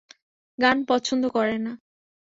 গান পছন্দ করে না।